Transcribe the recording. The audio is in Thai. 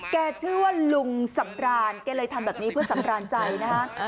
แกชื่อว่าลุงสำรานแกเลยทำแบบนี้เพื่อสำราญใจนะฮะ